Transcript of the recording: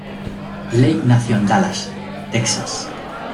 Leigh nació en Dallas, Texas.